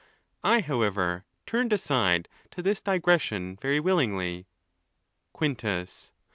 —I, however, turned aside to this digression. very willingly. Quintus.